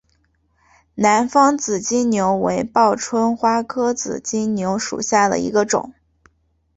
南方紫金牛为报春花科紫金牛属下的一个种。